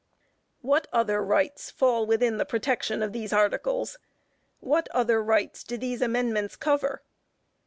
What "other rights fall within the protection of these articles?" What "other rights" do these amendments cover?